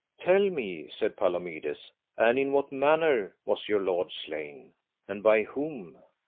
Tell me, said Palomides, and in what manner was your lord slain, and by whom.